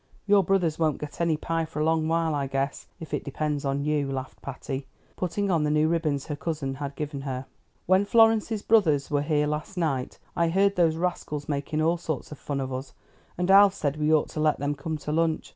Your brothers won't get any pie for a long while I guess, if it depends on you," laughed Patty, putting on the new ribbons her cousin had given her. "When Florence's brothers were here last night, I heard those rascals making all sorts of fun of us, and Alf said we ought to let them come to lunch.